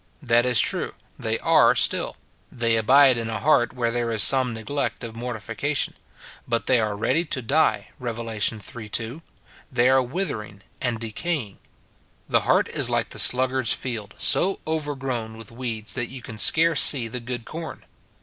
That is true ; they are still, they abide in a heart where there is some neglect of mortification ; but they are ready to die, Rev. iii, 2, they are witliering and decay ing. The heart is like the sluggard's field, — so over grown with weeds that you can scarce see the good corn.